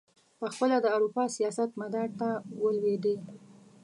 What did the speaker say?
پخپله د اروپا سیاست مدار ته ولوېدی.